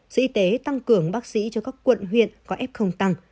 sở y tế tăng cường bác sĩ cho các quận huyện có f tăng